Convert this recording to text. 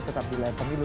tetap di lain pemilu